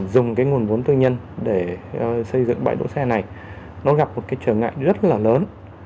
dùng nguồn vốn tư nhân để xây dựng bãi đỗ xe này gặp một trở ngại rất lớn